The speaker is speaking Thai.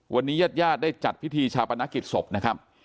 วันนี้ญาติญาติได้จัดพิธีชาปนกิจศพนะครับ